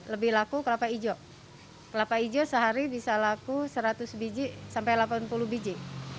lebih laku kelapa hijau kelapa hijau sehari bisa laku seratus biji sampai delapan puluh biji